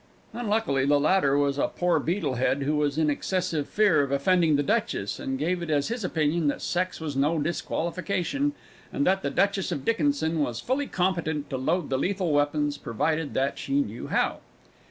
Unluckily the latter was a poor beetlehead who was in excessive fear of offending the Duchess, and gave it as his opinion that sex was no disqualification, and that the Duchess of Dickinson was fully competent to load the lethal weapons, provided that she knew how.